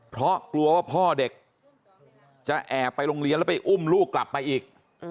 เพราะกลัวว่าพ่อเด็กจะแอบไปโรงเรียนแล้วไปอุ้มลูกกลับไปอีก